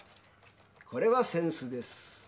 これは扇子です。